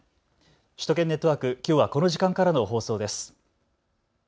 首都圏ネットワーク、きょうはこの時間からの放送です。